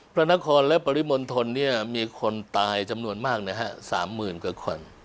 พระนครและปริมนธนเนี่ยมีคนตายจำนวนมากนะฮะสามหมื่นกว่าคน